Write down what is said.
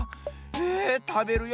えたべる